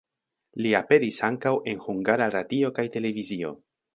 Li aperis ankaŭ en Hungara Radio kaj Televizio.